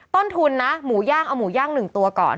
ต้นทุนนะหมูย่างเอาหมูย่าง๑ตัวก่อน